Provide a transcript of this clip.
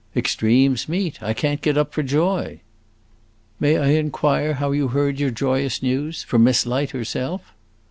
"Extremes meet! I can't get up for joy." "May I inquire how you heard your joyous news? from Miss Light herself?"